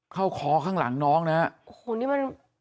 คอข้างหลังน้องนะฮะโอ้โหนี่มัน